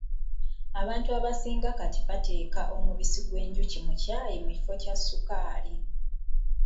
Abantu abasinga kati bateeka omubisi gw'enjuki mu caayi mu kifo kya ssukaali